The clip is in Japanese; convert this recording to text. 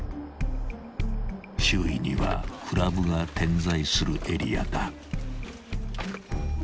［周囲にはクラブが点在するエリアだ］